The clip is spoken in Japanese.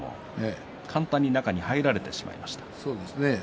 簡単に中に入られてしまいましたね。